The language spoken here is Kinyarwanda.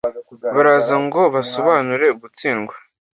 baraza ngo basobanure gutsindwa